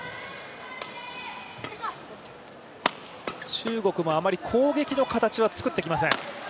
中国もあまり攻撃の形は作ってきません。